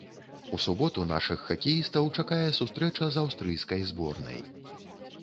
У суботу нашых хакеістаў чакае сустрэча з аўстрыйскай зборнай.